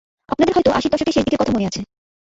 আপনাদের হয়তো আশির দশকের শেষ দিকের কথা মনে আছে।